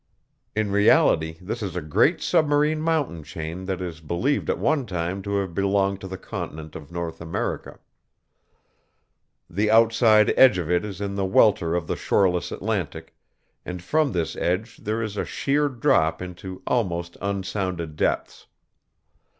In reality this is a great submarine mountain chain that is believed at one time to have belonged to the continent of North America. The outside edge of it is in the welter of the shoreless Atlantic, and from this edge there is a sheer drop into almost unsounded depths.